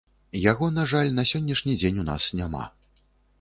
Яго, на жаль, на сённяшні дзень у нас няма.